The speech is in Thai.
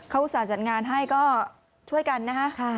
เขาอุตส่าห์จัดงานให้ก็ช่วยกันนะฮะ